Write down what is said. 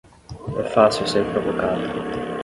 É fácil ser provocado